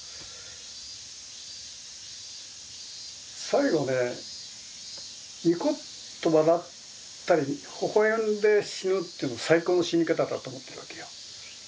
最期ねニコッと笑ったりほほ笑んで死ぬっていうの最高の死に方だと思ってるわけよ。